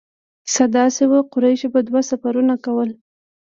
کیسه داسې وه چې قریشو به دوه سفرونه کول.